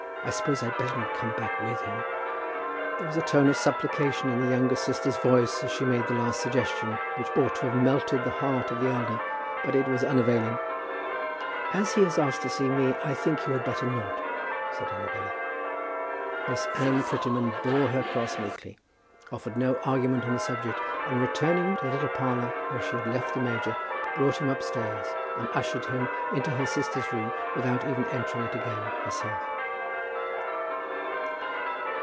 I suppose I'd better not come back with him?" There was a tone of supplication in the younger sister's voice as she made the last suggestion, which ought to have melted the heart of the elder; but it was unavailing. "As he has asked to see me, I think you had better not," said Annabella. Miss Anne Prettyman bore her cross meekly, offered no argument on the subject, and returning to the little parlour where she had left the major, brought him upstairs and ushered him into her sister's room without even entering it again, herself.